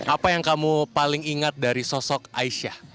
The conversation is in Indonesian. apa yang kamu paling ingat dari sosok aisyah